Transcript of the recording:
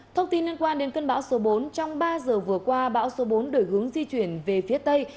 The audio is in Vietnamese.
thông tin liên quan đến cơn bão số bốn trong ba giờ vừa qua bão số bốn đổi hướng di chuyển về phía tây